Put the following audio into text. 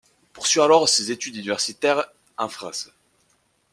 Il poursuit alors ses études universitaires en France.